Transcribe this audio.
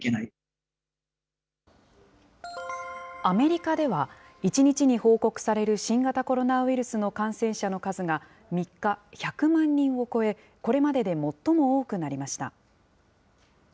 アメリカでは、１日に報告される新型コロナウイルスの感染者の数が３日、１００万人を超え、これまでで最も多くなりました。